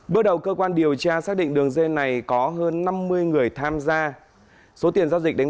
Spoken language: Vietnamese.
bước đầu cơ quan điều tra xác định đường dây này có hơn năm mươi người tham gia số tiền giao dịch đánh